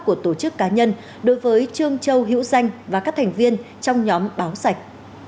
của tổ chức cá nhân đối với trương châu hữu danh và các thành viên trong nhóm báo sạch